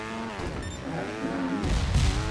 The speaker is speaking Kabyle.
Ceɛfen?